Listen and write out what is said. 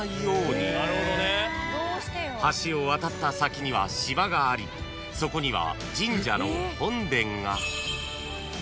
［橋を渡った先には島がありそこには］